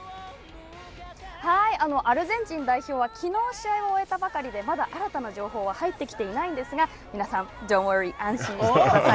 アルゼンチン代表は、きのう試合を終えたばかりで、まだ新たな情報は入ってきていないんですが、皆さん、安心してください。